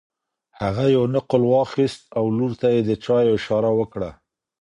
هغې یو نقل واخیست او لور ته یې د چایو اشاره وکړه.